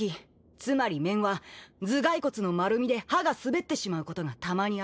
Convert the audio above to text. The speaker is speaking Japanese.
つまり面は頭蓋骨の丸みで刃が滑ってしまうことがたまにある。